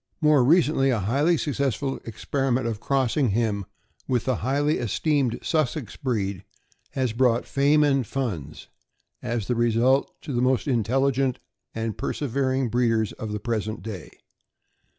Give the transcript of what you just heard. More recently, a highly successful experiment of cross ing him with the highly esteemed Sussex breed has brought fame and funds, as the result, to the most intelligent and persevering breeders of the present day.